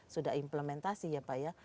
sudah implementasi ya pak ya